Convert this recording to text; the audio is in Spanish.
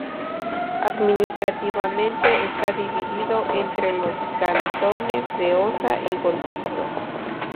Administrativamente está dividido entre los cantones de Osa y Golfito.